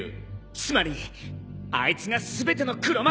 つまりあいつが全ての黒幕！